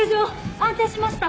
安定しました！